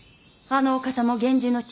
あのお方も源氏の血筋。